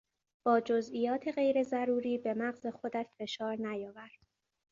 با جزئیات غیر ضروری به مغز خودت فشار نیاور.